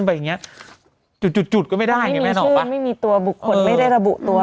ไปอย่างเงี้ยจุดจุดจุดก็ไม่ได้ไงแม่น้องบอกว่าไม่มีตัวบุคคลไม่ได้ระบุตัว